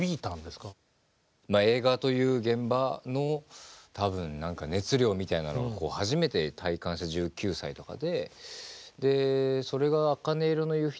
映画という現場の多分何か熱量みたいなのを初めて体感した１９歳とかで。